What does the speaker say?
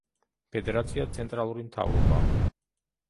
ფედერაცია ცენტრალური მთავრობაა.